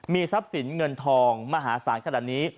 มีทรัพย์สินเงินทองมหาศาลขนาดนี้